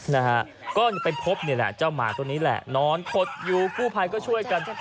นะฮะก็ไปพบนี่แหละเจ้าหมาตัวนี้แหละนอนขดอยู่กู้ภัยก็ช่วยกัน